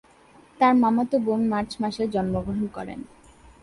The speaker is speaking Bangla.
তার মামাতো বোন মার্চ মাসে জন্মগ্রহণ করে।